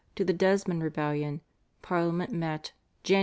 to the Desmond rebellion, Parliament met (Jan.